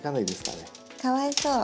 かわいそう。